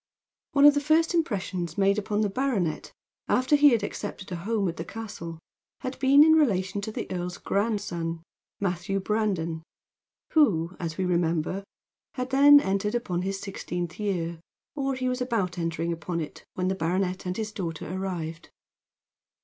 One of the first impressions made upon the baronet, after he had accepted a home at the castle, had been in relation to the earl's grandson Matthew Brandon who, as we remember, had then entered upon his sixteenth year; or he was about entering upon it when the baronet and his daughter arrived.